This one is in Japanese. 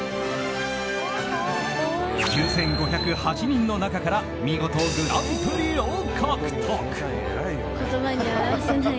９５０８人の中から見事グランプリを獲得。